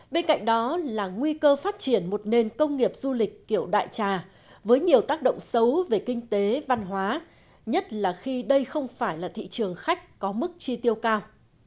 bên cạnh đó là nguy cơ phát triển một nền công nghiệp du lịch kiểu đại trà với nhiều tác động xấu về kinh tế văn hóa nhất là khi đây không phải là thị trường khách có mức chi tiêu cao